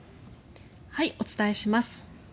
お伝えします。